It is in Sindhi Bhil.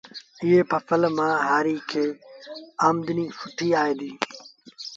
ايئي ڦسل مآݩ با هآريٚ کي آمدنيٚ سُٺيٚ آئي ديٚ